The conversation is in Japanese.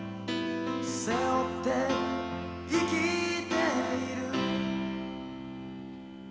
「背負って生きている」